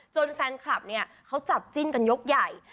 แฟนคลับเนี่ยเขาจับจิ้นกันยกใหญ่